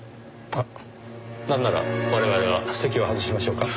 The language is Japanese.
なんなら我々は席を外しましょうか？